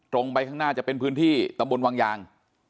ไปข้างหน้าจะเป็นพื้นที่ตำบลวังยาง